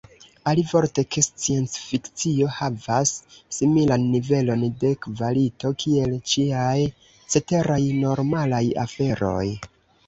Alivorte, ke sciencfikcio havas similan nivelon de kvalito kiel ĉiaj ceteraj, “normalaj” aferoj.